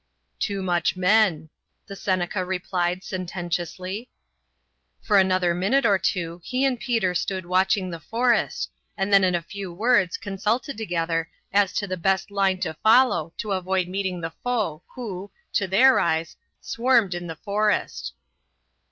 "Too much men," the Seneca replied sententiously. For another minute or two he and Peter stood watching the forest, and then in a few words consulted together as to the best line to follow to avoid meeting the foe who, to their eyes, swarmed in the forest.